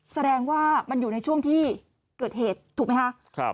แสดงว่ามันอยู่ในช่วงที่เกิดเหตุถูกไหมคะ